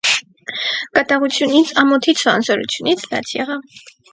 Կատաղությունից, ամոթից ու անզորությունից լաց եղա…